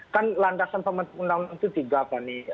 kan landasan pemenang undang itu tiga fanny